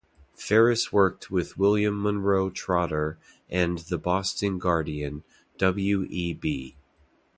Ferris worked with William Monroe Trotter and the Boston Guardian, W. E. B.